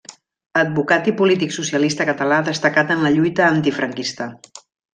Advocat i polític socialista català destacat en la lluita antifranquista.